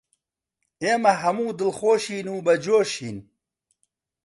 ئێمە هەموو دڵخۆشین و بەجۆشین